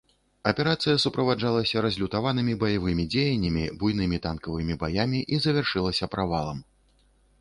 Аперацыя суправаджалася разлютаванымі баявымі дзеяннямі, буйнымі танкавымі баямі і завяршылася правалам.